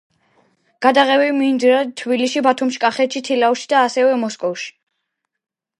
გადაღებები მიმდინარეობდა თბილისში, ბათუმში კახეთში თელავში, და ასევე მოსკოვში.